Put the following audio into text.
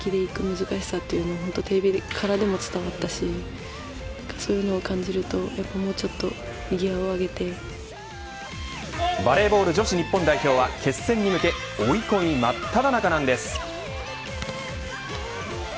自力でいく難しさもテレビからも本当に伝わったしそういうものを感じるとやっぱり、もうちょっとバレーボール女子日本代表は決戦に向け追い込み真っただ中なんです。